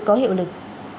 có hiệu lực